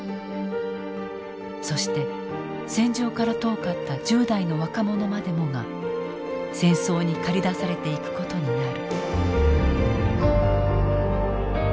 そして戦場から遠かった１０代の若者までもが戦争に駆り出されていくことになる。